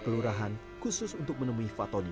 kelurahan khusus untuk menemui fatoni